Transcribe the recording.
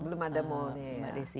belum ada mall ya